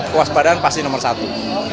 kuas badan pasti nomor satu